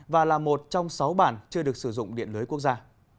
và là một trong sáu bản chưa được sử dụng điện lưới quốc gia